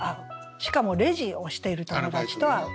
しかもレジをしている友達と会う。